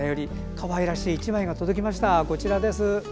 かわいらしい１枚が届きました。